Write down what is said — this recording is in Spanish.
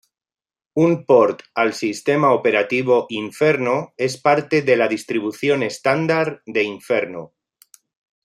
Un port al sistema operativo Inferno es parte de la distribución estándar de Inferno.